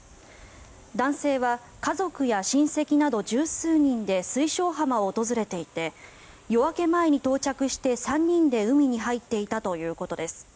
男性は家族や親戚など１０数人で水晶浜を訪れていて夜明け前に到着して、３人で海に入っていたということです。